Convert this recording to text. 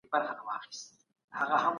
کاروونکي د چټکو پاڼو توقع لري هر وخت.